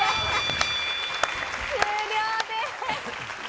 終了です。